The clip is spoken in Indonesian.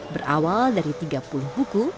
berawal dari tiga puluh buku